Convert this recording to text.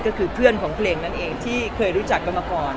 ก็คือเพื่อนของเพลงนั่นเองที่เคยรู้จักกันมาก่อน